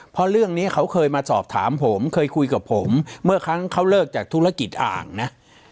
เพราะเรื่องนี้เขาเคยมาสอบถามผมเคยคุยกับผมเมื่อครั้งเขาเลิกจากธุรกิจอ่างนะ